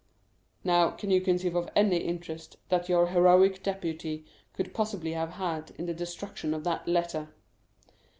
"Now can you conceive of any interest that your heroic deputy could possibly have had in the destruction of that letter?"